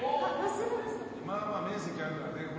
まあまあ、面積あるからね。